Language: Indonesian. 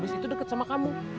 abis itu deket sama kamu